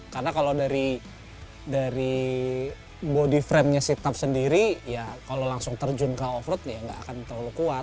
karena kalau dari body frame nya sit up sendiri ya kalau langsung terjun ke off road ya nggak akan terlalu kuat